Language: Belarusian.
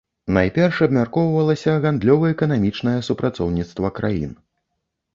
Найперш абмяркоўвалася гандлёва-эканамічнае супрацоўніцтва краін.